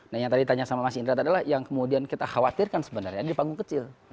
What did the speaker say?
nah yang tadi ditanya sama mas indra adalah yang kemudian kita khawatirkan sebenarnya di panggung kecil